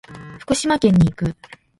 福島県に行く。